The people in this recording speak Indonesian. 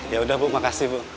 yaudah bu makasih bu